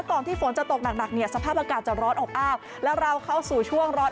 ที่ฝนจะตกหนักเนี่ยสภาพอากาศจะร้อนอบอ้าวแล้วเราเข้าสู่ช่วงร้อน